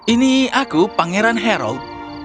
ini aku pangeran harold